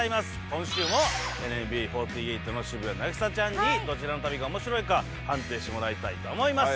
今週もＮＭＢ４８の渋谷凪咲ちゃんにどちらの旅が面白いか判定してもらいたいと思います